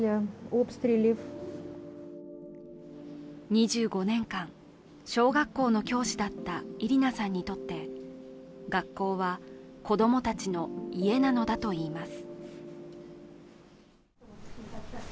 ２５年間、小学校の教師だったイリナさんにとって学校は子供たちの家なのだといいます。